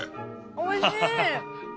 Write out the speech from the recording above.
おいしい！